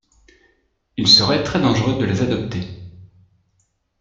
Il serait très dangereux de les adopter.